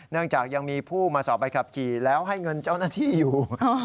จากยังมีผู้มาสอบใบขับขี่แล้วให้เงินเจ้าหน้าที่อยู่